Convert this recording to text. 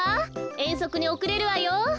えんそくにおくれるわよ。